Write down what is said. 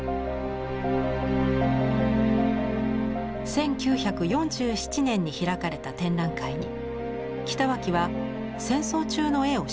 １９４７年に開かれた展覧会に北脇は戦争中の絵を出品。